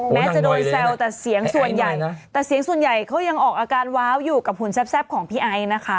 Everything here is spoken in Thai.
แม้จะโดนแซวแต่เสียงส่วนใหญ่เขายังออกอาการว้าวอยู่กับหุ่นแซบของพี่ไอค์นะคะ